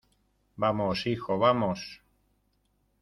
vamos, hijo. vamos .